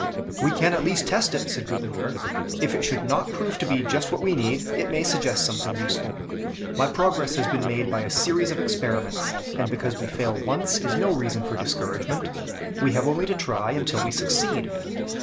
"We can at least test it," said Gutenberg. "If it should not prove to be just what we need, it may suggest something useful. My progress has been made by a series of experiments; and because we fail once, is no reason for discouragement. We have only to try until we succeed."